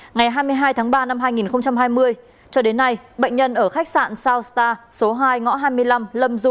ngày hai mươi hai tháng ba năm hai nghìn hai mươi cho đến nay bệnh nhân ở khách sạn soun star số hai ngõ hai mươi năm lâm du